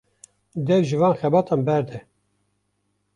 Dev ji van xebatan berde.